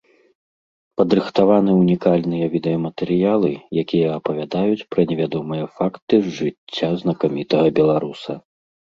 Падрыхтаваны ўнікальныя відэаматэрыялы, якія апавядаюць пра невядомыя факты з жыцця знакамітага беларуса.